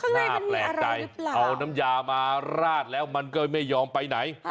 น่าแปลกใจเอาน้ำยามาราดแล้วมันก็ไม่ยอมไปไหน